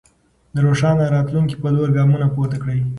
د روښانه راتلونکي په لور ګامونه پورته کړئ.